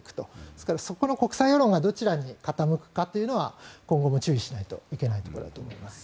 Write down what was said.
ですからそこの国際世論がどちらに傾くかは今後も注意しないといけないところだと思います。